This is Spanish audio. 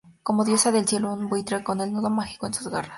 Como diosa del cielo, un buitre con el nudo mágico en sus garras.